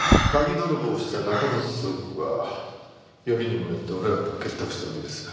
泥棒した中郷都々子がよりにもよって俺らと結託したからです。